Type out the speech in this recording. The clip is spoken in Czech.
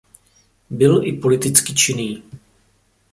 Byl i politicky činný.